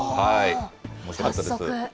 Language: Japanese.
おもしろかったです。